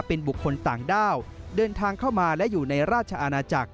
เป็นบุคคลต่างด้าวเดินทางเข้ามาและอยู่ในราชอาณาจักร